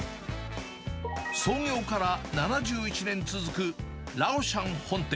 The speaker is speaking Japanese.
創業から７１年続くラオシャン本店。